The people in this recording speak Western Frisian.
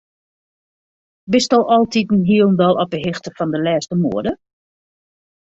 Bisto altiten hielendal op 'e hichte fan de lêste moade?